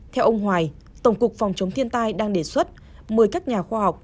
theo ông hoài tổng cục phòng chống thiên tai đang đề xuất mời các nhà khoa học